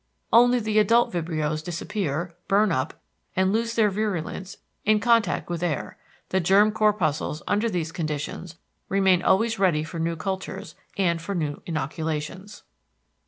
Only the adult vibrios disappear, burn up, and lose their virulence in contact with air: the germ corpuscles, under these conditions, remain always ready for new cultures, and for new inoculations.